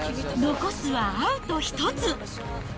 残すはアウト１つ。